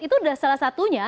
itu sudah salah satunya